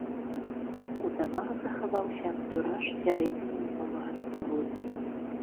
У дамах захаваўся антураж сярэдзіны мінулага стагоддзя.